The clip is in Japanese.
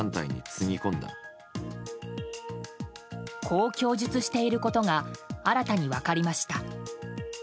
こう供述していることが新たに分かりました。